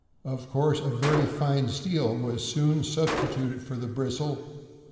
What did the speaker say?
Of course, a very fine steel was soon substituted for the bristle.